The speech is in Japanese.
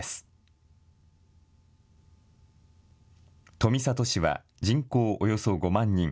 富里市は人口およそ５万人。